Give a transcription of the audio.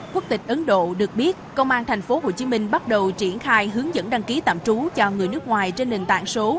quốc tịch ấn độ được biết công an thành phố hồ chí minh bắt đầu triển khai hướng dẫn đăng ký tạm trú cho người nước ngoài trên nền tảng số